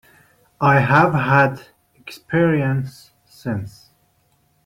I have had experience since.